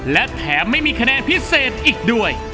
และแถมไม่มีคะแนนพิเศษอีกด้วย